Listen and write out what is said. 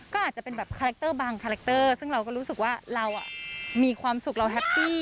ก็อาจจะเป็นแบบคาแรคเตอร์บางคาแรคเตอร์ซึ่งเราก็รู้สึกว่าเรามีความสุขเราแฮปปี้